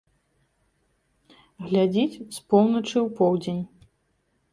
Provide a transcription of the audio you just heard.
Глядзіць з поўначы ў поўдзень.